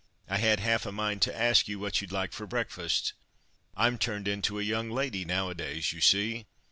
I had half a mind to ask you what you'd like for breakfast. I'm turned into a young lady, nowadays, you see!